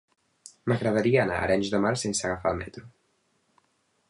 M'agradaria anar a Arenys de Mar sense agafar el metro.